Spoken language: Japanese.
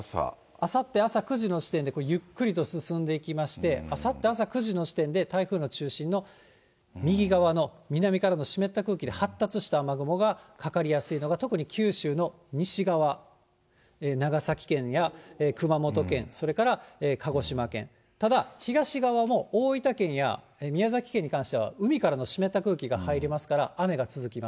あさって朝９時の時点で、これ、ゆっくりと進んでいきまして、あさって朝９時の時点で、台風の中心の右側、南からの湿った空気で発達した雨雲がかかりやすいのが、特に九州の西側、長崎県や熊本県、それから鹿児島県、ただ、東側の大分県や宮崎県に関しては、海からの湿った空気が入りますから、雨が続きます。